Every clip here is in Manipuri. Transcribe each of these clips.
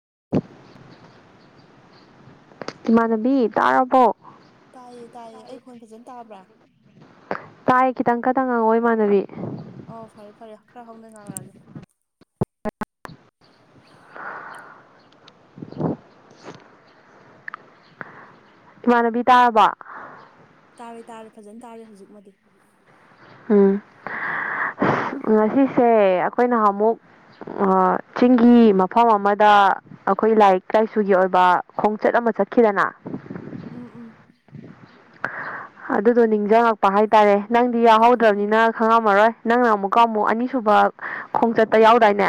[inaudible] ꯏꯃꯥꯟꯕꯤ ꯇꯔꯔꯕꯣ ꯇꯥꯏꯌꯦ ꯇꯥꯏꯌꯦ ꯑꯩ ꯈꯣꯟ ꯐꯖꯅ ꯇꯥꯕ꯭ꯔꯥ ꯇꯥꯏ ꯈꯤꯇꯪ ꯈꯇꯪ ꯉꯪꯉꯑꯣ ꯏꯃꯥꯟꯅꯕꯤ ꯑꯣ ꯐꯔꯦ ꯐꯔꯦ ꯑ ꯈꯔ ꯍꯣꯡꯗꯅꯔꯑꯒꯦ ꯏꯃꯥꯟꯅꯕꯤ ꯇꯥꯔꯕ ꯇꯥꯔꯦ ꯇꯥꯔꯦ ꯐꯖꯅ ꯇꯥꯔꯦ ꯍꯧꯖꯤꯛꯃꯗꯤ ꯎꯝ ꯉꯁꯤꯁꯦ ꯑꯩꯈꯣꯏꯅ ꯑꯃꯨꯛ ꯆꯤꯡꯒꯤ ꯃꯐꯝ ꯑꯃꯗ ꯑꯩꯈꯣꯏ ꯂꯥꯏꯔꯤꯛ ꯂꯥꯏꯁꯨꯒꯤ ꯑꯣꯏꯕ ꯈꯣꯡꯆꯠ ꯑꯃ ꯑꯃ ꯆꯠꯈꯤꯗꯅ ꯎꯝ ꯎꯝ ꯑꯗꯨꯗꯣ ꯅꯤꯡꯁꯤꯡꯉꯛꯄ ꯍꯥꯏꯇꯥꯔꯦ ꯅꯪꯗꯤ ꯎꯝ ꯐꯗ꯭ꯔꯕꯅꯤꯅ ꯈꯪꯉꯝꯃꯔꯣꯏ ꯅꯪꯅ ꯑꯃꯨꯛꯀ ꯑꯃꯨꯛ ꯑꯅꯤꯁꯨꯕ ꯈꯣꯡꯆꯠꯇ ꯌꯥꯎꯗꯥꯏꯅꯦ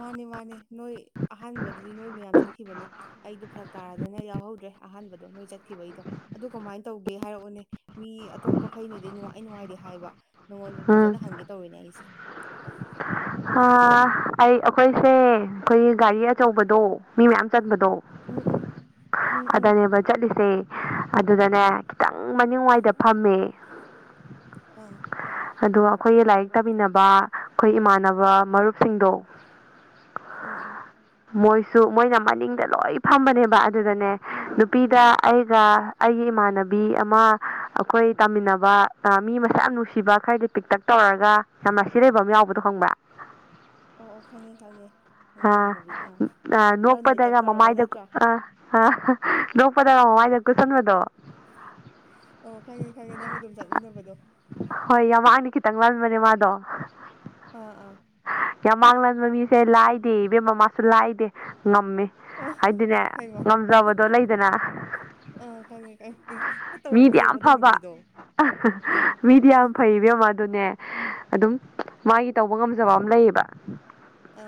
ꯃꯥꯅꯦ ꯃꯥꯅꯦ ꯅꯣꯏ ꯑꯍꯥꯟꯕꯗꯗꯤ ꯅꯣꯏꯕꯨ ꯌꯥꯝ ꯆꯠꯈꯤꯕꯅꯦ ꯑꯩꯗꯣ ꯐꯔꯛ ꯇꯥꯔꯗꯅ ꯌꯥꯎꯍꯧꯗ꯭ꯔꯦ ꯑꯍꯥꯟꯕꯣꯣꯏ ꯆꯠꯦ ꯊꯤꯈꯤꯕꯩꯗꯣ ꯑꯗꯨ ꯀꯃꯥꯏꯅ ꯇꯧꯒꯦ ꯍꯥꯏꯔꯛꯎꯅꯦ ꯃꯤ ꯑꯇꯣꯞꯄꯈꯩꯅꯗꯤ ꯅꯨꯡꯉꯥꯏ ꯅꯨꯡꯉꯥꯏꯗꯤ ꯍꯥꯏꯕ ꯅꯉꯣꯟꯗ ꯎꯝ ꯐꯖꯅ ꯍꯪꯒꯦ ꯇꯧꯔꯤꯅꯦ ꯑꯩꯁꯦ ꯑꯩ ꯑꯩꯈꯣꯏꯁꯦ ꯑꯩꯈꯣꯏꯒꯤ ꯒꯥꯔꯤ ꯑꯆꯧꯕꯗꯣ ꯃꯤ ꯃꯌꯥꯝ ꯆꯟꯕꯗꯣ ꯎꯝ ꯎꯝ ꯎꯝ ꯑꯗꯨꯗꯅꯦꯕ ꯆꯠꯂꯤꯁꯦ ꯑꯗꯨꯗꯅꯦ ꯈꯤꯇꯪ ꯃꯅꯤꯡꯋꯥꯏꯗ ꯐꯝꯃꯦ [inaudible] ꯑꯗꯨꯒ ꯑꯩꯈꯣꯏꯒꯤ ꯂꯥꯏꯔꯤꯛ ꯇꯥꯃꯤꯟꯅꯕ ꯑꯩꯈꯣꯏ ꯏꯃꯥꯟꯅꯕ ꯃꯔꯨꯞꯁꯤꯡꯗꯣ ꯎ ꯑꯣ ꯃꯣꯏꯁꯨ ꯃꯣꯏꯅ ꯃꯅꯤꯡꯗ ꯂꯣꯏ ꯐꯝꯕꯅꯦꯕ ꯑꯗꯨꯗꯅꯦ ꯅꯨꯄꯤꯗ ꯑꯩꯒ ꯑꯩꯒꯤ ꯏꯃꯥꯟꯅꯕꯤ ꯑꯃ ꯑꯩꯈꯣꯏ ꯇꯥꯃꯤꯟꯅꯕ ꯃꯤ ꯃꯁꯥ ꯌꯥꯝ ꯅꯨꯡꯁꯤꯕ ꯈꯔꯗꯤ ꯄꯤꯛꯇꯛ ꯇꯧꯔꯒ ꯌꯥꯝꯅ ꯁꯤ ꯂꯩꯕ ꯑꯃ ꯌꯥꯎꯕꯗꯣ ꯈꯪꯕ꯭ꯔꯥ ꯑꯣ ꯑꯣ ꯈꯪꯉꯦ ꯈꯪꯉꯦ ꯌꯥꯝ ꯅꯨꯡꯉꯥꯏꯅꯕꯤ ꯑ ꯅꯣꯛꯄꯗꯒ ꯃꯃꯥꯏꯗ ꯑ ꯄꯗ ꯋꯥꯅ ꯀꯁꯟꯗꯣ ꯑꯣ ꯈꯪꯉꯦ ꯈꯪꯉꯦ ꯅꯪ ꯑꯗꯨꯝ ꯆꯠꯃꯤꯟꯅꯕꯗꯣ ꯀꯪꯂꯪꯂꯥꯟ ꯃꯅꯦ ꯃꯥꯗꯣ ꯑ ꯑꯥ ꯌꯥꯝ ꯃꯥꯡꯍꯟꯕ ꯃꯤꯁꯦ ꯂꯥꯏꯗꯦ ꯏꯕꯦꯝ ꯃꯃꯥꯁꯨ ꯂꯥꯏꯗꯦ ꯉꯝꯃꯤ ꯑ ꯍꯥꯏꯗꯤꯅꯦ ꯍꯩꯃ ꯉꯝꯖꯕꯗꯣ ꯂꯩꯗꯅ ꯑꯥ ꯈꯪꯉꯦ ꯈꯪꯉꯦ ꯈꯔ ꯃꯤꯗꯤ ꯇꯧꯔꯅꯦ ꯌꯥꯝ ꯃꯗꯩ ꯐꯕ ꯅꯨꯄꯤꯗꯣ ꯑꯥ ꯃꯤꯗꯤ ꯌꯥꯝ ꯐꯩꯕꯦꯝ ꯃꯥ ꯑꯗꯨꯅꯦ ꯑꯗꯨꯝ ꯃꯥꯒꯤ ꯇꯧꯕ ꯉꯝꯖꯕ ꯑꯃ ꯂꯩꯌꯦꯕ ꯑ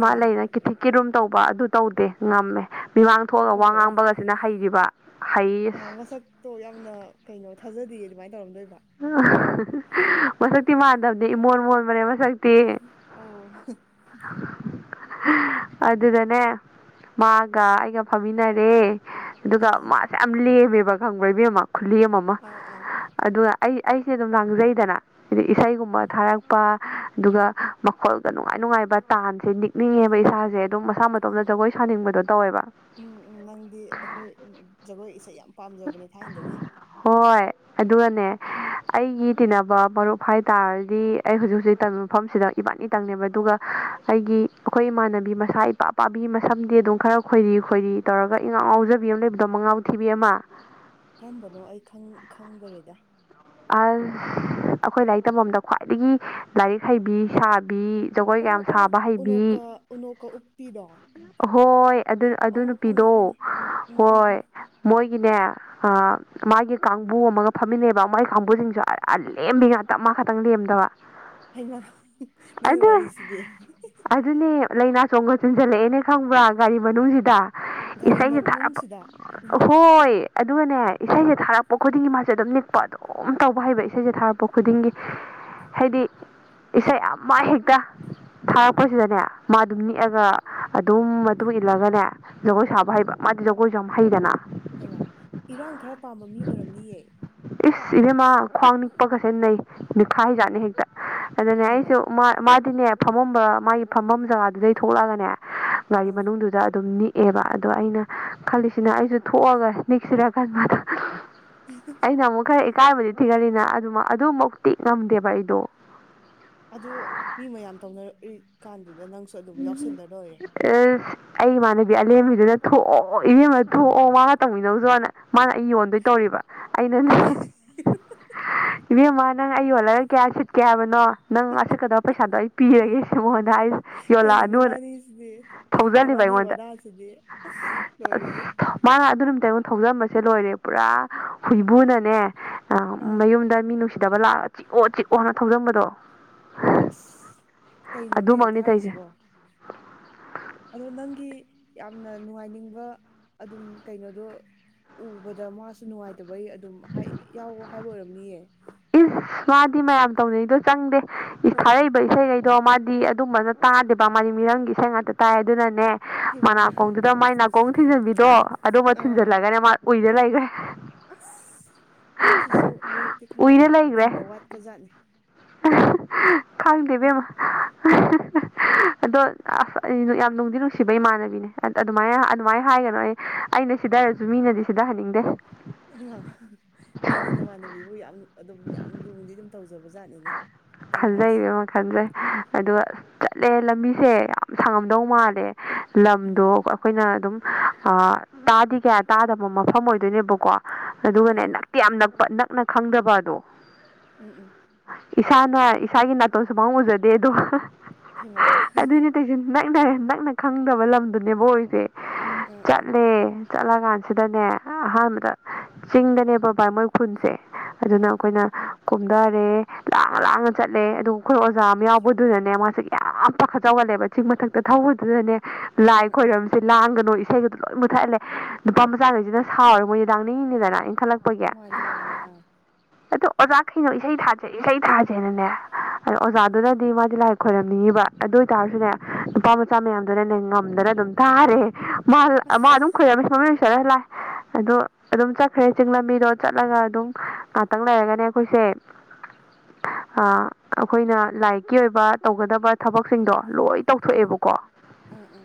ꯑꯃ ꯏꯤꯊꯤꯛꯀꯤ ꯔꯨꯝ ꯇꯧꯕ ꯑꯗꯨ ꯇꯧꯗꯦ ꯉꯝꯃꯦ ꯃꯤꯃꯥꯡ ꯊꯣꯛꯑꯒ ꯋꯥ ꯑꯣ ꯑꯣ ꯉꯥꯡꯕꯒꯁꯤꯅ ꯍꯩꯈꯤꯕ ꯑꯣ ꯃꯁꯛꯇꯣ ꯌꯥꯝꯅ ꯀꯩꯅꯣ ꯊꯥꯖꯗꯌꯦ ꯑꯗꯨꯃꯥꯏꯅ ꯇꯧꯔꯝꯗꯣꯏꯕ ꯃꯁꯛꯇꯤ ꯃꯥꯟꯗꯕꯅꯦ ꯏꯃꯣꯟ ꯃꯣꯟꯕꯅꯦ ꯃꯁꯛꯇꯤ ꯑꯣ ꯑꯗꯨꯗꯅꯦ ꯃꯥꯒ ꯑꯩꯒ ꯐꯝꯃꯤꯟꯅꯔꯦ ꯑꯗꯨꯒ ꯑꯥ ꯃꯥꯁꯦ ꯌꯥꯝ ꯂꯦꯝꯃꯦꯕ ꯈꯪꯕ꯭ꯔꯩꯕꯤ ꯑꯃ ꯈꯨꯂꯤ ꯑꯃ ꯑꯃ ꯑꯥ ꯑꯥ ꯑꯗꯨꯒ ꯑꯩ ꯑꯩꯁꯦ ꯑꯗꯨꯝ ꯂꯥꯡꯖꯩꯗꯅ ꯍꯥꯏꯗꯤ ꯏꯁꯩꯒꯨꯝꯕ ꯊꯥꯔꯛꯄ ꯑꯗꯨꯒ ꯃꯈꯣꯜꯒ ꯅꯨꯡꯉꯥꯏꯅ ꯅꯨꯡꯉꯥꯏꯕ ꯇꯥꯟꯁꯦ ꯅꯤꯛꯅꯤꯡꯉꯦꯕ ꯏꯁꯥꯁꯦ ꯑꯗꯨꯝ ꯃꯁꯥ ꯎꯝ ꯃꯇꯣꯝꯗ ꯖꯒꯣꯏ ꯁꯥꯅꯤꯡꯕꯗꯣ ꯇꯧꯋꯦꯕ ꯎꯝ ꯎꯝ ꯅꯪꯗꯤ ꯑꯩꯈꯣꯏ ꯖꯒꯣꯏ ꯏꯁꯩ ꯌꯥꯝ ꯄꯥꯝꯖꯕꯅꯦ ꯊꯥꯏꯅꯗꯒꯤ ꯍꯣꯏ ꯑꯗꯨꯒꯅꯦ ꯑꯩꯒꯤ ꯇꯤꯟꯅꯕ ꯃꯔꯨꯞ ꯍꯥꯏꯇꯥꯥꯔꯗꯤ ꯑꯩ ꯍꯧꯖꯤꯛ ꯍꯧꯖꯤꯛ ꯇꯝꯃꯤꯕ ꯃꯐꯝꯁꯤꯗ ꯏꯕꯥꯠꯅꯤꯇꯪꯅꯦꯕ ꯑꯗꯨꯒ ꯑꯩꯒꯤ ꯑꯩꯈꯣꯏ ꯏꯃꯥꯟꯅꯕꯤ ꯃꯁꯥ ꯏꯄꯥ ꯄꯥꯕꯤ ꯃꯁꯝꯗꯤ ꯑꯗꯨꯝ ꯈꯔ ꯈꯣꯏꯔꯤ ꯈꯣꯏꯔꯤ ꯇꯧꯔꯒ ꯏꯉꯥꯎ ꯍꯧꯖꯕꯤ ꯑꯃ ꯂꯩꯕꯗꯣ ꯃꯉꯥꯎ ꯊꯤꯕꯤ ꯑꯃ ꯀꯔꯝꯕꯅꯣ ꯑꯩ ꯈꯪꯗꯣꯔꯤꯗ ꯑ ꯑꯩꯈꯣꯏ ꯂꯥꯏꯔꯤꯛ ꯇꯝꯐꯝꯗ ꯈ꯭ꯋꯥꯏꯗꯒꯤ ꯂꯥꯏꯔꯤꯛ ꯍꯩꯕꯤ ꯁꯥ ꯑꯣ ꯑꯣ ꯎꯅꯧꯀ ꯎꯅꯣꯀꯣ ꯎꯞꯄꯤꯗꯣ ꯍꯣꯏ ꯑꯗꯨ ꯑꯗꯨ ꯑꯣ ꯈꯪꯉꯦ ꯅꯨꯄꯤꯗꯣ ꯈꯪꯉꯦ ꯎꯝ ꯎꯝ ꯎꯝ ꯍꯣꯏ ꯃꯣꯏꯒꯤꯅꯦ ꯃꯥꯒꯤ ꯀꯥꯡꯕꯨ ꯑꯃꯒ ꯐꯝꯃꯤꯟꯅꯩꯕ ꯃꯥꯏ ꯀꯥꯡꯕꯨꯁꯤꯡꯁꯨ ꯑ ꯂꯦꯝꯕꯤ ꯉꯥꯛꯇꯞ ꯃꯥ ꯈꯛꯇꯪ ꯂꯦꯝꯗꯕ ꯍꯥꯏꯃ ꯅꯪꯒꯤ ꯑꯗꯨ ꯋꯥꯔꯤꯁꯤꯗꯤ ꯆꯣꯡꯒꯠ ꯆꯤꯟꯁꯤꯜꯂꯛꯑꯦꯅ ꯈꯪꯕ꯭ꯔꯥ ꯒꯥꯔꯤ ꯃꯅꯨꯡꯁꯤꯗ ꯒꯥꯔꯤ ꯏꯁꯩꯁꯤꯦ ꯊꯥꯔꯄ ꯃꯅꯨꯡꯁꯤꯗ ꯏꯃꯥ ꯍꯣꯏ ꯑꯗꯨꯒꯅꯦ ꯏꯁꯩꯁꯦ ꯊꯥꯔꯛꯄ ꯈꯨꯗꯤꯡꯒꯤ ꯃꯥꯁꯦ ꯑꯗꯨꯝ ꯅꯤꯛꯄ ꯑꯗꯣ ꯝ ꯇꯧꯕ ꯍꯩꯕ ꯏꯁꯩꯁꯦ ꯊꯥꯔꯛꯄ ꯈꯨꯗꯤꯡꯒꯤ ꯍꯥꯏꯗꯤ ꯏꯁꯩ ꯑꯃꯃ ꯍꯦꯛꯇ ꯊꯥꯔꯛꯄꯁꯤꯗꯅꯦ ꯃꯥ ꯑꯗꯨꯝ ꯅꯤꯦꯛꯑꯒ ꯑꯗꯨꯝ ꯃꯇꯨꯡ ꯏꯜꯂꯒꯅꯦ ꯖꯒꯣꯏ ꯁꯥꯕ ꯍꯩꯕ ꯃꯥꯗꯤ ꯖꯒꯣꯏꯁꯨ ꯌꯥꯝ ꯍꯩꯗꯅ ꯍꯥꯏꯃ ꯏꯔꯥꯡ ꯈꯔ ꯄꯥꯝꯕ ꯃꯤ ꯑꯣꯏꯔꯝꯅꯤꯌꯦ ꯏꯚꯦꯝꯃ ꯈ꯭ꯋꯥꯡ ꯅꯤꯛꯄꯒꯁꯦꯟꯅꯩ ꯈꯥ ꯍꯤꯖꯥꯠꯅꯤ ꯍꯦꯛꯇ ꯑꯗꯨꯅꯦ ꯍꯩꯃ ꯑꯩꯁꯨ ꯑꯗꯨꯗꯤꯅꯦ ꯐꯝꯃꯝꯕ ꯃꯥꯒꯤ ꯐꯝꯐꯝ ꯖꯒꯥꯗꯨꯗꯩ ꯊꯣꯛꯂꯛꯑꯒꯅꯦ ꯒꯥꯔꯤ ꯑꯥ ꯃꯅꯨꯡꯗꯨꯗ ꯑꯗꯨꯝ ꯅꯤ ꯛꯑꯦꯕ ꯑꯗꯣ ꯑꯩꯅ ꯈꯜꯂꯤꯁꯤꯅ ꯑꯩꯁꯨ ꯊꯣꯛꯑꯒ ꯅꯤꯛꯁꯤꯔꯀꯥꯟꯕꯗꯣ ꯑꯗꯨꯒ ꯏꯀꯥꯏꯕꯗꯤ ꯊꯤꯒꯠꯜꯂꯤꯅ ꯑꯗꯨ ꯑꯗꯨꯃꯛꯇꯤ ꯉꯝꯗꯦꯕ ꯑꯩꯗꯣ ꯑ ꯃꯤ ꯃꯌꯥꯝ ꯇꯧꯅꯔꯛꯏꯀꯥꯟꯗꯨꯗ ꯅꯪꯁꯨ ꯑꯗꯨꯝ ꯌꯥꯎꯁꯜꯂꯔꯣꯏꯔꯦ ꯑꯁ ꯑꯩ ꯏꯃꯥꯟꯅꯕꯤ ꯑꯂꯦꯝꯕꯤꯗꯨꯅ ꯊꯣꯛꯑꯣ ꯏꯕꯦꯝꯕ ꯊꯣꯛꯑꯣ ꯃꯥꯒ ꯇꯪꯃꯤꯅꯧꯖꯅ ꯃꯥꯅ ꯑꯩ ꯌꯣꯟꯗꯣꯏ ꯇꯧꯔꯤꯕ ꯑꯩꯅ ꯑꯥ ꯏꯕꯦꯝꯃ ꯅꯪ ꯑꯩ ꯌꯣꯜꯂꯒ ꯀꯌꯥ ꯁꯤꯠꯀꯦ ꯍꯥꯏꯕꯅꯣ ꯅꯪ ꯑꯁꯤ ꯆꯠꯀꯗꯧꯕ ꯄꯩꯁꯥꯗꯣ ꯑꯩ ꯄꯤꯔꯒꯦ ꯁꯤ ꯃꯉꯣꯟꯗ ꯍꯥꯏꯔꯤ ꯀꯩꯅ ꯅꯅ ꯃꯥꯅꯤꯁꯤꯗ ꯊꯧꯖꯜꯂꯤꯕ ꯅꯨꯕꯥꯅꯤ ꯑꯩꯉꯣꯟꯗ ꯋꯥꯗꯥꯁꯤꯗꯤ ꯑꯁ ꯂꯣꯏꯔꯦ ꯇꯉꯣ ꯊꯧꯖꯕꯁꯦ ꯂꯣꯏꯔꯦ ꯄꯨꯔꯥ ꯍꯨꯏꯕꯨꯅꯅꯦ ꯑꯥ ꯃꯌꯨꯝꯗ ꯃꯤ ꯅꯨꯡꯁꯤ ꯁꯤꯗꯕ ꯂꯥꯛꯑ ꯆꯤꯛꯑꯣ ꯆꯤꯛꯑꯣ ꯍꯥꯏꯅ ꯊꯧꯖꯪꯕꯗꯣ ꯑꯁ ꯀꯩꯅꯣꯅꯦ ꯇꯧꯏꯁꯦ ꯊꯥꯔꯤꯁꯤꯕꯣ ꯑꯗꯣ ꯅꯪꯒꯤ ꯌꯥꯝꯅ ꯅꯨꯡꯉꯥꯏꯅꯤꯡꯕ ꯑꯗꯨꯝ ꯀꯩꯅꯣꯗꯣ ꯎꯕꯗ ꯃꯥꯁꯨ ꯅꯨꯡꯉꯥꯏꯇꯕꯩ ꯑꯗꯨꯝ ꯌꯥꯎꯕ ꯍꯥꯏꯕ ꯑꯣꯏꯔꯝꯅꯤꯌꯦ ꯃꯥꯗꯤ ꯃꯌꯥꯝ ꯇꯧꯅꯩꯗꯣ ꯆꯪꯗꯦ ꯊꯥꯔꯛꯏꯕ ꯏꯁꯩꯈꯩꯗꯣ ꯃꯥꯗꯤ ꯑꯗꯨꯝꯕꯅ ꯇꯥꯗꯦꯕ ꯍꯥꯏꯅꯤ ꯃꯤꯔꯝꯒꯤ ꯏꯁꯩ ꯉꯥꯛꯇ ꯇꯥꯏ ꯑꯗꯨꯅꯅꯦ ꯍꯩꯃ ꯃꯅꯥꯀꯣꯡꯗꯨꯗ ꯃꯥꯏ ꯅꯥꯀꯣꯡ ꯊꯤꯟꯖꯟꯕꯤꯗꯣ ꯑꯗꯨꯝꯕ ꯑꯥ ꯊꯤꯟꯖꯜꯂꯒꯅꯦ ꯃꯥ ꯎꯏꯗ ꯂꯩꯈ꯭ꯔꯦ ꯑꯁ ꯃꯥꯁꯤꯁꯨ ꯃꯤꯔꯛꯇꯤ ꯈꯔ ꯇꯤꯟꯕ ꯋꯥꯠꯄꯖꯥꯠꯅꯤ ꯊꯗꯦꯕꯃ [unintelligible] ꯑꯗꯣ ꯌꯥꯝ ꯅꯨꯡꯗꯤ ꯅꯨꯡꯁꯤꯕ ꯏꯃꯥꯟꯅꯕꯤꯅꯦ ꯑꯗꯨꯃꯥꯏꯅ ꯑꯗꯨꯃꯥꯏꯅ ꯍꯥꯏꯒꯅꯣ ꯑꯩ ꯑꯩꯅ ꯁꯤꯗ ꯍꯥꯏꯔꯁꯨ ꯃꯤꯅꯗꯤ ꯁꯤꯗꯍꯟꯅꯤꯡꯗꯦ ꯑ ꯅꯪꯁꯨ ꯅꯃꯥꯟꯅꯕꯤꯕꯨ ꯌꯥꯝ ꯑꯗꯨꯝ ꯌꯥꯝ ꯅꯨꯡꯗꯤ ꯑꯗꯨꯝ ꯇꯧꯖ ꯈꯟꯖꯩꯕꯦꯝꯃ ꯈꯟꯖꯩ ꯑꯗꯨꯒ ꯆꯠꯂꯦ ꯂꯝꯕꯤꯁꯦ ꯌꯥꯝ ꯁꯥꯡꯉꯝꯗꯧ ꯃꯥꯜꯂꯦ ꯂꯝꯗꯣ ꯎꯝ ꯑꯩꯈꯣꯏꯅ ꯑꯗꯨꯝ ꯑ ꯇꯥꯗꯤ ꯀꯌꯥ ꯇꯥꯗꯕ ꯃꯐꯝ ꯑꯣꯏꯗꯣꯏꯅꯦꯕꯀꯣ ꯎꯝ ꯑꯗꯨꯒꯅꯦ ꯎꯝ ꯅꯛꯇꯤ ꯌꯥꯝ ꯅꯛꯄ ꯅꯛꯅ ꯈꯪꯗꯕꯗꯣ ꯎꯝ ꯎꯝ ꯏꯁꯥꯅ ꯏꯁꯥꯒꯤ ꯅꯥꯇꯣꯟꯁꯨ ꯃꯥꯎ ꯎꯖꯗꯦ ꯑꯗꯣ ꯍꯩꯃꯥ ꯑꯗꯨꯅꯦ ꯇꯩꯁꯨ ꯅꯪꯅ ꯅꯛꯅ ꯈꯪꯗꯕ ꯂꯝꯗꯨꯅꯦꯕ ꯑꯩꯁꯦ ꯑꯥ ꯑꯥ ꯆꯠꯂꯦ ꯆꯠꯂ ꯀꯥꯟꯁꯤꯗꯅꯦ ꯑꯍꯥꯟꯕꯗ ꯆꯤꯡꯗꯅꯦꯕ ꯕꯥꯥꯏ ꯃꯣꯏ ꯈꯨꯟꯁꯦ ꯑꯥ ꯑꯗꯨꯅ ꯑꯥ ꯑꯩꯈꯣꯏꯅ ꯀꯣꯊꯔꯦ [unintelligible] ꯇꯥꯡꯅ ꯆꯠꯂꯦ ꯑꯗꯨꯒ ꯑꯩꯈꯣꯏ ꯑꯣꯖꯥ ꯑꯃ ꯌꯥꯎꯕꯗꯨꯅꯅꯦ ꯃꯥꯁꯦ ꯌꯥꯝ ꯄꯥꯈꯠ ꯆꯥꯎꯒꯠꯂꯦꯕ ꯆꯤꯡ ꯃꯊꯛꯇ ꯊꯧꯕꯗꯨꯗꯅꯦ ꯂꯥꯏ ꯑꯥ ꯑꯥ ꯈꯣꯏꯔꯝꯁꯦ ꯂꯥꯡꯒꯅꯨ ꯏꯁꯩꯒꯗꯣ ꯂꯣꯏ ꯃꯨꯠꯍꯜꯂꯦ ꯅꯨꯄꯥ ꯃꯆꯥꯈꯩꯁꯤꯅ ꯁꯥꯎꯔꯒ ꯃꯣꯏꯗꯤ ꯂꯥꯡꯅꯤꯡꯅꯤꯗꯅ ꯏꯟꯈꯠꯂꯛꯄ ꯃꯥꯅꯦ ꯃꯥꯅꯦ ꯑꯥ ꯑꯣꯖꯥ ꯀꯩꯅꯣ ꯏꯁꯩ ꯊꯥꯁꯦ ꯏꯁꯩ ꯊꯥꯁꯦꯅꯅꯦ ꯑꯗ ꯑꯣꯖꯥꯗꯨꯅꯗꯤ ꯃꯥꯗꯤ ꯂꯥꯏ ꯈꯣꯏꯔꯝꯅꯤꯡꯉꯤꯕ ꯑꯗꯨ ꯑꯣꯏꯇꯥꯔꯁꯨꯅꯦ ꯅꯨꯄꯥ ꯃꯆꯥ ꯃꯌꯥꯝꯗꯨꯅꯅꯦ ꯉꯝꯗꯅ ꯑꯗꯨꯝ ꯊꯥꯔꯦ ꯃꯥ ꯃꯥ ꯑꯗꯨꯝ ꯑꯁ ꯈꯣꯏꯔꯝꯃꯤ ꯁ ꯅꯨꯡꯁꯤꯠꯂ ꯂꯥꯛ ꯑꯗꯣ ꯑꯗꯨꯝ ꯆꯠꯈ꯭ꯔꯦ ꯆꯤꯡ ꯂꯝꯕꯤꯗꯣ ꯆꯠꯂꯒ ꯑꯗꯨꯝ ꯉꯥꯏꯍꯥꯛꯇꯪ ꯂꯩꯔꯒꯅꯦ ꯑꯩꯈꯣꯏꯁꯦ ꯑꯩꯈꯣꯏꯅ ꯂꯥꯏꯔꯤꯛꯀꯤ ꯑꯣꯏꯕ ꯇꯧꯒꯗꯕ ꯊꯕꯛꯁꯤꯡꯗꯣ ꯂꯣꯏ ꯎꯝ ꯇꯧꯊꯣꯛꯑꯦꯕꯀꯣ ꯑꯥ ꯑꯥ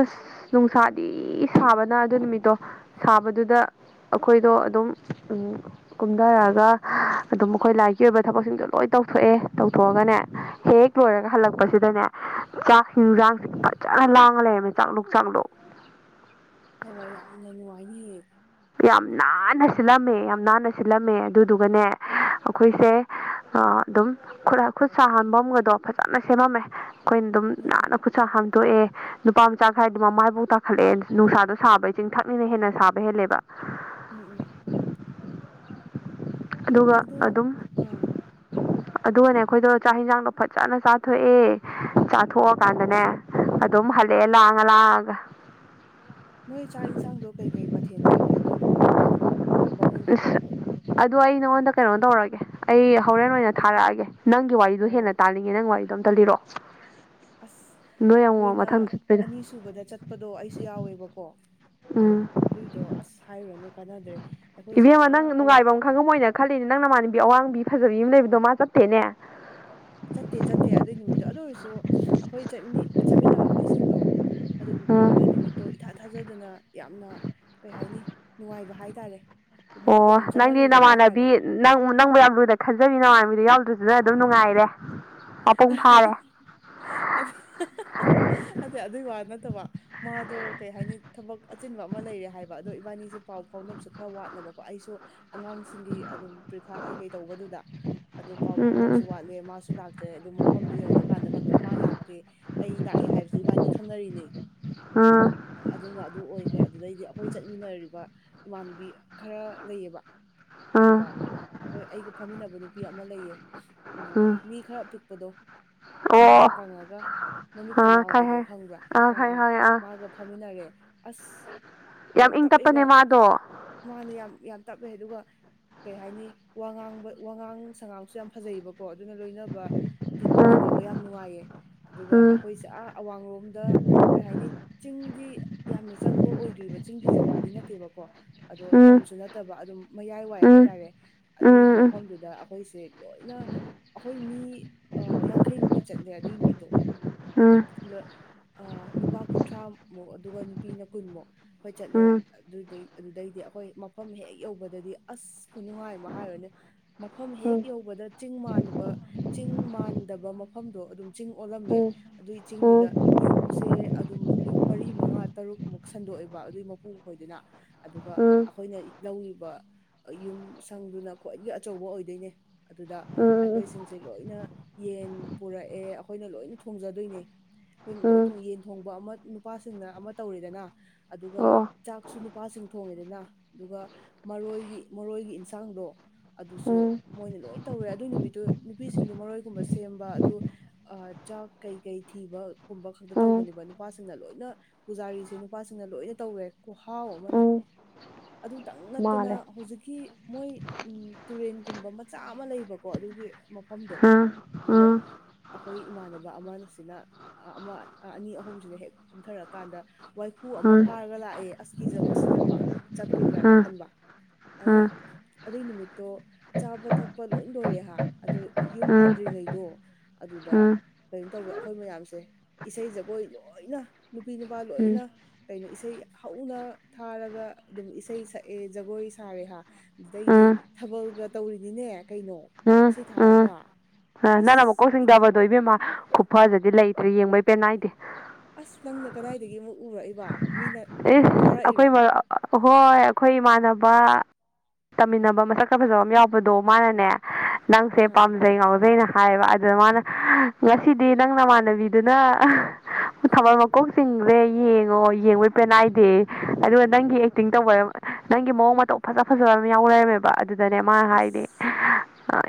ꯑꯁ ꯅꯨꯡꯁꯥꯗꯤ ꯁꯥꯕꯅ ꯑꯗꯨ ꯅꯨꯃꯤꯠꯇꯣ ꯁꯥꯕꯗꯨꯗ ꯑꯩꯈꯣꯏꯗꯣ ꯑꯗꯨꯝ ꯀꯨꯝꯊꯔꯛꯑꯒ ꯎ ꯑꯗꯨꯝ ꯃꯈꯣꯏ ꯂꯥꯏꯔꯤꯛꯀꯤ ꯑꯣꯏꯕ ꯊꯕꯛꯁꯤꯡꯁꯨ ꯂꯣꯏ ꯇꯧꯊꯣꯛꯑꯦ ꯇꯧꯊꯣꯛꯑꯒꯅꯦ ꯍꯦꯛ ꯂꯣꯏꯔꯒ ꯍꯜꯂꯛꯄꯁꯤꯗꯅꯦ ꯆꯥꯛꯁꯤꯡꯖꯥꯡꯁꯤꯡ ꯐꯖꯅ ꯂꯥꯡꯉ ꯂꯩꯔꯝꯃꯦ ꯆꯥꯗꯣꯛ ꯆꯥꯗꯣꯛ ꯍꯥꯏꯕ ꯌꯥꯝꯅ ꯅꯨꯡꯉꯥꯏꯔꯤꯌꯦ ꯌꯥꯝ ꯅꯥꯟꯅ ꯁꯤꯠꯂꯝꯃꯦ ꯌꯥꯝ ꯅꯥꯟꯅ ꯁꯤꯠꯂꯝꯃꯦ ꯑꯗꯨꯗꯨꯒꯅꯦ ꯑꯩꯈꯣꯏꯁꯦ ꯑꯗꯨꯝ ꯈꯨꯠ ꯁꯥꯍꯟꯕ ꯑꯃꯒꯗꯣ ꯐꯖꯅ ꯁꯦꯝꯃꯝꯃꯦ ꯑꯩꯈꯣꯏꯅ ꯑꯗꯨꯝ ꯎꯝ ꯎꯝ ꯅꯥꯟꯅ ꯈꯨꯠꯁꯥ ꯍꯥꯝꯗꯣꯛꯑꯦ ꯅꯨꯄꯥ ꯃꯆꯥ ꯈꯔꯥꯏꯗꯨ ꯃꯃꯥꯏꯐꯥꯎ ꯇꯥꯈꯠꯂꯛꯦ ꯅꯨꯡꯁꯥꯗꯣ ꯁꯥꯕ ꯏ ꯆꯤꯡ ꯊꯛꯅꯤꯅ ꯍꯦꯟꯅ ꯁꯥꯕ ꯍꯦꯜꯂꯦꯕ ꯎꯝ ꯎꯝ ꯑꯗꯨꯒ ꯑꯗꯣ ꯑꯗꯨꯝ ꯑꯥ ꯑꯗꯨꯒꯅꯦ ꯑꯩꯈꯣꯏꯗꯣ ꯆꯥꯛ ꯏꯟꯁꯥꯡꯗꯣ ꯐꯖꯅ ꯆꯥꯊꯣꯛꯑꯦ ꯆꯥꯊꯣꯛꯑꯀꯥꯟꯗꯅꯦ ꯑꯗꯨꯝ ꯍꯜꯂꯛꯑꯦ ꯂꯥꯡꯉ ꯂꯥꯡꯑꯒ ꯅꯣꯏ ꯆꯥꯛ ꯏꯟꯁꯥꯡꯗꯣ ꯀꯩꯀꯩ ꯃꯊꯦꯜ ꯇꯧꯒꯦ ꯑꯗꯨ ꯅꯨ ꯅꯨꯃꯤꯠꯇꯕꯣ ꯕꯥꯃꯣꯟꯒ ꯑꯁ ꯀꯧꯕ꯭ꯔꯣ ꯑꯗꯨꯗ ꯑꯩ ꯅꯉꯣꯟꯗ ꯀꯩꯅꯣ ꯇꯧꯔꯒꯦ ꯑꯩ ꯍꯣꯔꯦꯟ ꯑꯣꯏꯅ ꯊꯥꯔꯛꯑꯒꯦ ꯅꯪꯒꯤ ꯋꯥꯔꯤꯗꯣ ꯍꯦꯟꯅ ꯑꯣ ꯇꯥꯜꯂꯤꯉꯦ ꯅꯪ ꯋꯥꯔꯤꯗꯣ ꯑꯝꯇꯜꯂꯤꯔꯣ ꯑꯁ ꯑꯃꯨꯛ ꯑꯩꯈꯣꯏꯅ ꯃꯊꯪ ꯆꯠꯄꯩꯗꯣ ꯑꯅꯤ ꯁꯨꯕꯗ ꯆꯠꯄꯗꯣ ꯑꯩꯁꯨ ꯌꯥꯎꯋꯦꯕꯀꯣ ꯎꯝ ꯑꯗꯨꯏꯗꯣ ꯑꯁ ꯍꯥꯏꯔꯨꯔꯅꯨ ꯀꯥꯟꯅꯗ꯭ꯔꯦ ꯑꯩꯈꯣꯏꯁꯤꯅ ꯏꯕꯦꯝꯃ ꯅꯪ ꯑꯥ ꯑꯋꯥꯡ ꯅꯨꯡꯉꯥꯏꯕ ꯑꯃ ꯈꯪꯉꯝꯃꯣꯏꯅ ꯈꯜꯂꯤꯅꯦ ꯅꯪ ꯅꯃꯥꯟꯅꯕꯤ ꯑꯋꯥꯡꯕꯤ ꯐꯖꯕꯤ ꯑꯃ ꯂꯩꯕꯗꯣ ꯃꯥ ꯆꯠꯊꯦꯅꯦ ꯆꯠꯇꯦ ꯆꯠꯇꯦ ꯑꯗꯨꯏ ꯅꯨꯃꯤꯠꯇꯣ ꯑꯗꯨ ꯑꯣꯏꯔꯁꯨ ꯑꯩꯈꯣꯏ ꯆꯠ ꯆꯠꯃꯤꯟꯅꯕ ꯃꯤꯁꯤꯡꯗꯣ ꯑꯗꯨꯝ ꯑꯗꯨꯏ ꯎꯝ ꯅꯨꯃꯤꯠꯇꯣ ꯏꯊꯥ ꯊꯥ ꯊꯥꯖꯗꯅ ꯌꯥꯝꯅ ꯀꯩ ꯍꯥꯏꯅꯤ ꯅꯨꯡꯉꯥꯏꯕ ꯍꯥꯏꯇꯥꯔꯦ ꯃꯣꯠ ꯑꯣ ꯌꯥꯝ ꯅꯪꯗꯤ ꯆꯥꯟꯅꯔꯨꯕ ꯍꯥꯏꯇꯥꯔꯦ ꯅꯃꯥꯟꯅꯕꯤ ꯅꯪ ꯅꯪꯕꯨ ꯌꯥꯝ ꯂꯨꯅ ꯈꯟꯖꯕꯤ ꯅꯃꯥꯟꯅꯕꯤ ꯑꯗꯨ ꯌꯥꯎꯗ꯭ꯔꯁꯨ ꯅꯪ ꯑꯗꯨꯝ ꯅꯨꯡꯉꯥꯏꯔꯦ ꯃꯄꯨꯡ ꯐꯥꯔꯦ ꯑꯗꯨ ꯑꯗꯨ ꯑꯗꯨꯒꯤ ꯋꯥ ꯅꯠ ꯅꯠꯇꯕ ꯃꯥꯗꯣ ꯀꯩ ꯍꯥꯏꯅꯤ ꯊꯕꯛ ꯑꯆꯤꯟꯕ ꯑꯃ ꯂꯩꯔꯦ ꯍꯥꯏꯕ ꯑꯗꯣ ꯏꯕꯥꯅꯤꯁꯦ ꯄꯥꯎ ꯐꯥꯎꯅꯕꯁꯨ ꯈꯔ ꯋꯥꯠꯂ ꯂꯕ ꯑꯩꯁꯨ ꯑꯉꯥꯡꯁꯤꯡꯒꯤ ꯑꯗꯨꯝ ꯄ꯭ꯔꯤꯈꯥ ꯀꯩ ꯀꯩ ꯇꯧꯕꯗꯨꯗ ꯑꯗꯨ ꯄꯥꯎ ꯎꯝ ꯎꯝ ꯐꯥꯎꯅꯕꯁꯨ ꯋꯥꯠꯂꯦ ꯃꯥꯁꯨ ꯂꯥꯛ ꯇꯦ ꯑꯗꯨ ꯃꯐꯝꯗꯨ ꯌꯧꯔꯀꯥꯟꯗ ꯈꯛꯇ ꯃꯥ ꯂꯥꯛꯇꯦ ꯑꯩ ꯂꯥꯛꯑꯦ ꯍꯥꯏꯕꯁꯤ ꯏꯕꯥꯅꯤ ꯈꯪꯅꯔꯤꯅꯦ ꯎꯝ ꯑꯗꯨꯅ ꯑꯗꯨ ꯑꯣꯏꯈ꯭ꯔꯦ ꯑꯗꯨꯗꯩꯗꯤ ꯑꯩꯈꯣꯏ ꯆꯠꯃꯤꯟꯅꯔꯤꯕ ꯏꯃꯥꯟꯅꯕꯤ ꯈꯔ ꯂꯩꯌꯦꯕ ꯑꯗꯨꯗ ꯎꯝ ꯑꯩꯈꯣꯏ ꯑꯩꯒ ꯐꯝꯃꯤꯟꯅꯕ ꯅꯨꯄꯤ ꯑ ꯑꯃ ꯂꯩꯌꯦ ꯎꯝ ꯃꯤ ꯈꯔ ꯄꯤꯛꯄꯗꯣ ꯌꯥꯝ ꯑꯣ ꯈꯔ ꯀꯪꯉꯒ ꯃꯃꯤꯠꯀ ꯑꯥ ꯂꯥꯎꯕꯗꯣ ꯈꯪꯉꯦ ꯈꯪꯕ꯭ꯔꯥ ꯑꯥ ꯑꯥ ꯃꯥꯒ ꯐꯝꯃꯤꯟꯅꯔꯦ ꯑꯁ ꯌꯥꯝ ꯏꯪ ꯇꯞꯑꯦꯕ ꯇꯞꯄꯅꯦ ꯃꯥꯗꯣ ꯃꯥꯅ ꯌꯥꯝ ꯌꯥꯝ ꯇꯞꯑꯦ ꯑꯗꯨꯒ ꯀꯩ ꯍꯥꯏꯅꯤ ꯋꯥꯉꯥꯡꯕ ꯋꯥꯉꯥꯡ ꯁꯉꯥꯡꯁꯨ ꯌꯥꯝ ꯐꯖꯩꯕꯀꯣ ꯑꯗꯨꯅ ꯂꯣꯏꯅ ꯇꯤꯟ ꯎꯝ ꯇꯤꯟꯅꯕ ꯌꯥꯝ ꯅꯨꯡꯉꯥꯏꯌꯦ ꯑꯗꯨꯒ ꯎꯝ ꯑꯩꯈꯣꯏꯁꯦ ꯑꯥ ꯑꯋꯥꯡꯂꯣꯝꯗ ꯀꯩ ꯍꯥꯏꯅꯤ ꯆꯤꯡꯗꯤ ꯌꯥꯝꯅ ꯆꯪꯕ ꯑꯣꯏꯗ ꯔꯤꯕ ꯆꯤꯡꯒꯤ ꯖꯒꯥꯗꯤ ꯅꯠꯇꯦꯕꯀꯣ ꯑꯗꯣ ꯎꯝ ꯇꯝꯁꯨ ꯅꯠꯇꯕ ꯑꯗꯨꯝ ꯃꯌꯥꯏ ꯋꯥꯏ ꯎꯝ ꯍꯥꯏꯇꯥꯔꯦ ꯑꯗꯨꯒꯤ ꯎꯝ ꯎꯝ ꯃꯐꯝꯗꯨꯗ ꯑꯩꯈꯣꯏꯁꯦ ꯂꯣꯏꯅ ꯑꯩꯈꯣꯏ ꯃꯤ ꯑ ꯌꯥꯡꯈꯩꯃꯨꯛꯇꯤ ꯆꯠꯂꯦ ꯑꯗꯨꯏ ꯅꯨꯃꯤꯠꯇꯣ ꯎꯝ ꯎꯝ ꯑꯗ ꯑ ꯅꯨꯄꯥ ꯀꯨꯟꯊ꯭ꯔꯥꯃꯨꯛ ꯑꯗꯨꯒ ꯅꯨꯄꯤꯅ ꯀꯨꯟꯃꯨꯛ ꯍꯣꯏ ꯎꯝ ꯆꯠꯂꯦ ꯎꯝ ꯑꯗꯨꯗꯩ ꯑꯗꯨꯗꯩꯗꯤ ꯑꯩꯈꯣꯏ ꯃꯐꯝ ꯍꯦꯛ ꯌꯧꯕꯗꯗꯤ ꯑꯁ ꯈꯨꯅꯨꯡꯉꯥꯏ ꯑꯃ ꯍꯥꯏꯔꯣꯏꯅꯦ ꯃꯐꯝ ꯍꯦꯛ ꯎꯝ ꯎꯝ ꯌꯧꯕꯗ ꯆꯤꯡ ꯃꯥꯟꯕ ꯆꯤꯡ ꯃꯥꯟꯗꯕ ꯃꯐꯝꯗꯣ ꯑꯗꯨꯝ ꯆꯤꯡ ꯑꯣꯜꯂꯝꯃꯦ ꯎꯝ ꯑꯗꯨꯏ ꯆꯤꯡꯗꯨꯗ ꯌꯨꯝꯁꯦ ꯑꯗꯨꯝ ꯌꯨꯝ ꯃꯔꯤ ꯃꯉꯥ ꯇꯔꯨꯛꯃꯨꯛ ꯁꯟꯗꯣꯛꯑꯦꯕ ꯑꯗꯨꯏ ꯃꯄꯨ ꯈꯣꯏꯗꯨꯅ ꯑꯗꯨꯒ ꯎꯝ ꯑꯩꯈꯣꯏꯅ ꯂꯧꯔꯤꯕ ꯌꯨꯝ ꯁꯪꯗꯨꯅ ꯈ꯭ꯋꯥꯏꯗꯒꯤ ꯑꯆꯧꯕ ꯑꯣꯏꯗꯣꯏꯅꯦ ꯑꯗꯨꯗ ꯎꯝ ꯎꯝ ꯑꯩꯈꯣꯏꯁꯤꯡ ꯗꯤ ꯂꯣꯏꯅ ꯌꯦꯟ ꯄꯨꯔꯛꯑꯦ ꯑꯩꯈꯣꯏꯅ ꯂꯣꯏꯅ ꯊꯣꯡꯖꯗꯣꯏꯅꯦ ꯑꯩꯈꯣꯏꯅ ꯂꯣꯏ ꯎꯝ ꯊꯣꯡ ꯌꯦꯟ ꯊꯣꯡꯕ ꯑꯃ ꯅꯨꯄꯥꯁꯤꯡꯅ ꯑꯃ ꯇꯧꯔꯦꯗꯅ ꯑꯗꯨꯒ ꯑꯣ ꯆꯥꯛꯁꯨ ꯅꯨꯄꯥꯁꯤꯡ ꯊꯣꯡꯉꯦꯗꯅ ꯑꯗꯨꯒ ꯃꯔꯣꯏꯒꯤ ꯃꯔꯣꯏꯒꯤ ꯏꯟꯁꯥꯡꯗꯣ ꯑꯗꯨꯁꯨ ꯎꯝ ꯃꯣꯏꯅ ꯂꯣꯏ ꯇꯧꯔꯦ ꯑꯗꯨꯏ ꯅꯨꯃꯤꯠꯇꯨ ꯅꯨꯄꯤꯁꯤꯡꯗꯤ ꯃꯔꯣꯏꯒꯨꯝꯕ ꯁꯦꯝꯕ ꯑꯗꯨ ꯑ ꯆꯥꯛ ꯀꯩ ꯀꯩ ꯊꯤꯕ ꯒꯨꯝꯕ ꯈꯛꯇ ꯎꯝ ꯇꯧꯕꯅꯦꯕ ꯅꯨꯄꯥꯁꯤꯡꯅ ꯂꯣꯏꯅ ꯄꯨꯖꯥꯔꯤꯁꯦ ꯅꯨꯄꯥꯁꯤꯡꯅ ꯂꯣꯏꯅ ꯇꯧꯔꯦ ꯈꯨꯍꯥꯎ ꯑꯃꯅꯦ ꯎꯝ ꯑꯗꯨꯇꯪ ꯅꯠꯇꯅ ꯃꯥꯂꯦ ꯍꯨꯖꯤꯛꯀꯤ ꯃꯣꯏ ꯎꯝ ꯇꯨꯔꯦꯟꯒꯨꯝꯕ ꯃꯆꯥ ꯑꯃ ꯂꯩꯕꯀꯣ ꯑꯗꯨꯒꯤ ꯃꯐꯝꯗꯣ ꯎꯝ ꯎꯝ ꯑꯗꯨꯗ ꯎꯝ ꯑꯩꯈꯣꯏ ꯏꯃꯥꯟꯅꯕ ꯑꯃꯁꯤꯅ ꯑꯃ ꯑꯅꯤ ꯑꯍꯨꯝꯁꯤꯅ ꯍꯦꯛ ꯀꯨꯝꯊꯔꯛꯀꯥꯟꯗ ꯋꯥꯏꯈꯨ ꯑꯃ ꯎꯝ ꯐꯥꯔꯒ ꯂꯥꯛꯑꯦ ꯑꯁ ꯀꯤꯖꯕꯁꯤꯅꯕ ꯎꯝ ꯎꯝ ꯆꯞꯈꯤꯗ꯭ꯔꯅ ꯈꯟꯕ ꯑꯗ ꯎꯝ ꯑꯗꯨꯏ ꯅꯨꯃꯤꯠꯇꯣ ꯆꯥꯕ ꯊꯛꯄ ꯂꯣꯏ ꯂꯣꯏꯔꯦ ꯍꯥ ꯑꯗꯨ ꯌꯨꯝ ꯍꯟꯗ꯭ꯔꯤꯉꯩꯗꯣ ꯑꯗꯨꯗ ꯀꯩꯅꯣ ꯇꯧꯋꯦ ꯑꯩꯈꯣꯏ ꯃꯌꯥꯝꯁꯦ ꯏꯁꯩ ꯖꯒꯣꯏ ꯂꯣꯏꯅ ꯅꯨꯄꯤ ꯅꯨꯄꯥ ꯂꯣꯏ ꯂꯣꯏꯅ ꯀꯩꯅꯣ ꯏꯁꯩ ꯍꯧꯅ ꯊꯥꯔꯒ ꯑꯗꯨꯝ ꯏꯁꯩ ꯁꯛꯑꯦ ꯖꯒꯣꯏ ꯁꯥꯔꯦ ꯍꯥ ꯎꯝ ꯑꯗꯨꯗꯩꯗꯤ ꯎꯝ ꯊꯥꯕꯜꯒ ꯇꯧꯔꯤꯅꯤꯅꯦ ꯀꯩꯅꯣ ꯏꯁꯩ ꯊꯥꯔꯒ ꯑ ꯅꯪꯅ ꯑꯁ ꯃꯀꯣꯛ ꯁꯤꯡꯗꯕꯗꯣ ꯏꯕꯦꯝꯃ ꯈꯨꯐꯖꯗꯤ ꯂꯩꯇ꯭ꯔꯦ ꯌꯦꯡꯕꯩ ꯄꯦꯟꯅꯥꯏꯗꯦ ꯑꯁ ꯅꯪꯅ ꯀꯗꯥꯏꯗꯒꯤ ꯑꯃꯨꯛ ꯎꯔꯛꯏꯕ ꯃꯤꯅ ꯏꯁ ꯑꯩꯈꯣꯏ ꯊꯥꯔꯛꯏꯔꯣ ꯃꯔꯨꯞ ꯍꯣꯏ ꯑꯩꯈꯣꯏ ꯏꯃꯥꯟꯅꯕ ꯇꯝꯃꯤꯟꯅꯕ ꯃꯁꯛ ꯈ ꯐꯖꯕ ꯑꯃ ꯌꯥꯎꯕꯗꯣ ꯃꯥꯅꯅꯦ ꯅꯪꯁꯦ ꯑꯥ ꯄꯥꯝꯖꯩ ꯉꯥꯎꯖꯩꯩꯅ ꯍꯥꯏꯌꯦꯕ ꯑꯗꯨꯅ ꯃꯥꯅ ꯉꯁꯤꯗꯤ ꯅꯪ ꯅꯃꯥꯟꯅꯕꯤꯗꯨꯅ ꯊꯥꯕꯜ ꯃꯀꯣꯛ ꯆꯤꯡꯒ꯭ꯔꯦ ꯌꯦꯡꯉꯣ ꯌꯦꯡꯕꯩ ꯄꯦꯟꯅꯥꯏꯗꯦ ꯑꯗꯨꯒ ꯅꯪꯒꯤ ꯑꯦꯛꯇꯤꯡ ꯇꯧꯕ ꯅꯪꯒꯤ ꯃꯑꯣꯡ ꯃꯇꯧ ꯐꯖ ꯐꯖꯕ ꯑꯃ ꯌꯥꯎ ꯂꯩꯔꯝꯃꯦꯕ ꯑꯗꯨ ꯑꯗꯨꯗꯅꯦ ꯃꯥꯅ ꯍꯥꯏꯗꯤ ꯑꯁ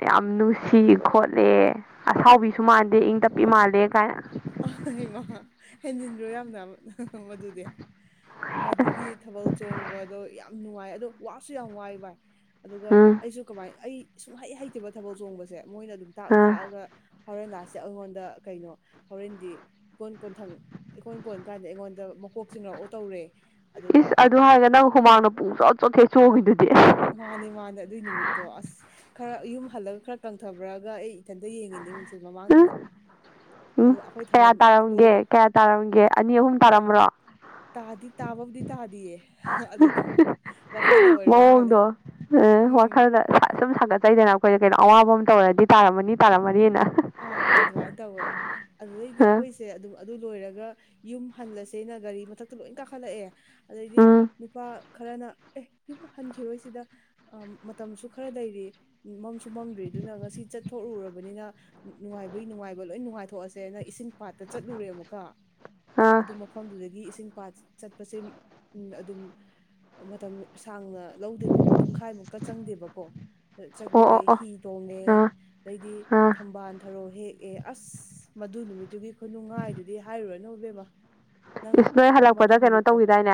ꯌꯥꯝ ꯅꯨꯡꯁꯤ ꯈꯣꯠꯂꯦ ꯑꯁꯥꯎꯕꯤꯁꯨ ꯃꯥꯟꯗꯦ ꯏꯪ ꯇꯞꯄꯤ ꯃꯥꯜꯂꯦ ꯀꯥꯏꯅ ꯑ ꯏ ꯏꯃ ꯍꯦꯟꯖꯤꯟꯗ꯭ꯔꯣ ꯌꯥꯝꯅ ꯃꯗꯨꯗꯤ ꯑꯁ ꯃꯗꯨꯒꯤ ꯊꯥꯕꯜ ꯆꯣꯡꯕꯗꯣ ꯌꯥꯝ ꯅꯨꯡꯉꯥꯏ ꯑꯗꯣ ꯋꯥꯁꯨ ꯌꯥꯝ ꯋꯥꯏ ꯚꯏ ꯑꯗꯨꯒ ꯎꯝ ꯑꯩꯁꯨ ꯀꯃꯥꯏ ꯑꯩ ꯁꯨꯡꯍꯩ ꯍꯩꯇꯕ ꯊꯕꯛ ꯆꯣꯡꯕꯁꯦ ꯃꯣꯏꯅ ꯑꯗꯨꯝ ꯇꯥꯛ ꯑ ꯇꯥꯛꯑꯒ ꯍꯔꯦꯟꯅꯥꯁꯦ ꯑꯩꯉꯣꯟꯗ ꯀꯩꯅꯣ ꯍꯣꯔꯦꯟꯗꯤ ꯏꯀꯣꯟ ꯀꯣꯟꯊꯪ ꯏꯀꯣꯟ ꯀꯣꯟ ꯀꯥꯟꯗ ꯑꯩꯉꯣꯟꯗ ꯃꯀꯣꯛ ꯆꯤꯡꯡꯂꯛꯑꯣ ꯇꯧꯔꯦ ꯑꯗꯨꯒ ꯏꯁ ꯑꯗꯨ ꯍꯥꯏꯔꯒ ꯅꯪ ꯍꯨꯃꯥꯡꯗ ꯄꯨꯡ ꯆꯣꯠ ꯆꯣꯠꯊꯦꯠ ꯆꯣꯈꯤꯗꯨꯗꯤ ꯃꯥꯅꯦ ꯃꯥꯅꯦ ꯑꯗꯨꯏ ꯅꯨꯃꯤꯠꯇꯣ ꯑꯁ ꯈꯔ ꯌꯨꯝ ꯍꯜꯂꯒ ꯈꯔ ꯀꯪꯊꯕ꯭ꯔꯒ ꯑꯩ ꯏꯊꯟꯇ ꯌꯦꯡꯉꯤꯅꯦ ꯃꯤꯡꯁꯦ ꯎꯝ ꯃꯃꯥꯡꯗꯨꯗ ꯎꯝ ꯑꯗꯣ ꯑꯩꯈꯣꯏ ꯀꯌꯥ ꯊꯥꯕꯜ ꯇꯥꯔꯝꯒꯦ ꯂꯣꯏ ꯀꯌꯥ ꯇꯥꯔꯝꯒꯦ ꯑꯅꯤ ꯑꯍꯨꯝ ꯇꯥꯔ꯭ꯔꯣ ꯇꯥꯗꯤ ꯇꯥꯕꯕꯨꯗꯤ ꯇꯥꯗꯤꯌꯦ ꯑꯗꯨꯗ ꯋꯥꯈꯜꯅ ꯑꯣꯏꯔꯕ ꯃꯥꯜꯂꯦ ꯎꯝ ꯋꯥꯈꯜꯗ ꯁꯨꯝ ꯁꯥꯒꯠꯆꯩꯗꯅ ꯑꯩꯈꯣꯏꯗ ꯀꯩꯅꯣ ꯑꯋꯥꯕ ꯑꯃ ꯇꯧꯔꯗꯤ ꯇꯥꯔꯝꯃꯅꯤ ꯇꯥꯔꯝꯃꯅꯤꯅ ꯑꯥ ꯑꯥ ꯑꯗꯨꯃꯥꯏꯅ ꯇꯧꯋꯦ ꯑꯗꯨꯗꯩꯗꯤ ꯑ ꯑꯩꯈꯣꯏꯁꯦ ꯑꯗꯨꯝ ꯑꯗꯨ ꯂꯣꯏꯔꯒ ꯌꯨꯝ ꯍꯜꯂꯁꯦꯅ ꯒꯥꯔꯤ ꯃꯊꯛꯇ ꯂꯣꯏ ꯀꯥꯈꯠꯂꯛꯑꯦ ꯑꯗꯩꯗꯤ ꯎꯝ ꯅꯨꯄꯥ ꯈꯔꯅ ꯑꯦ ꯌꯨꯝ ꯍꯟꯈꯤꯔꯣꯏ ꯁꯤꯗ ꯃꯇꯝꯁꯨ ꯈꯔ ꯂꯩꯔꯤ ꯃꯝꯁꯨ ꯃꯝꯗ꯭ꯔꯤ ꯑꯗꯨꯅ ꯉꯁꯤ ꯆꯠꯊꯔꯨꯔꯕꯅꯤꯅ ꯅꯨꯡꯉꯥꯏꯕꯩ ꯅꯨꯡꯉꯥꯏꯕ ꯂꯣꯏ ꯅꯨꯡꯉꯥꯏꯊꯣꯛꯑꯁꯦꯅ ꯏꯁꯤꯡ ꯄꯥꯠꯇ ꯆꯠꯂꯨꯔꯦ ꯑꯃꯨꯛꯀ ꯑꯥ ꯑꯗꯨ ꯃꯐꯝꯗꯨꯗꯒꯤ ꯏꯁꯤꯡ ꯆꯠꯄꯁꯦ ꯎ ꯑꯗꯨꯝ ꯃꯇꯝ ꯁꯥꯡꯅ ꯂꯧꯗꯦꯕꯀꯣ ꯄꯨꯡꯈꯥꯏꯃꯨꯛꯀ ꯆꯪꯗꯦꯕꯀꯣ ꯑꯣ ꯆꯠꯂꯨꯔꯦ ꯑꯣ ꯑꯣ ꯍꯤ ꯇꯣꯡꯉꯦ ꯑꯥ ꯑꯗꯩꯗꯤ ꯑꯥ ꯥꯟꯊꯔꯣ ꯍꯦꯛꯑꯦ ꯑꯁ ꯃꯗꯨ ꯅꯨꯃꯤꯠꯇꯨꯒꯤ ꯈꯨꯅꯨꯡꯉꯥꯏꯗꯨꯗꯤ ꯍꯥꯏꯔꯨꯔꯅꯣ ꯕꯦꯝꯃ ꯏꯁ ꯅꯣꯏ ꯍꯜꯂꯛꯄꯗ ꯀꯩꯅꯣ ꯇꯧꯈꯤꯗꯥꯏꯅꯦ